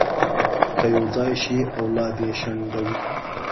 که یو ځای شي، اولاد یې شنډ وي.